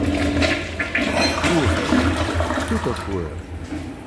Просто… Что такое?